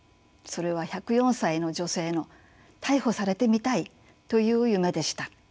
それは１０４歳の女性の「逮捕されてみたい」という夢でした。